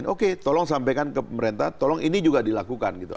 oke tolong sampaikan ke pemerintah tolong ini juga dilakukan gitu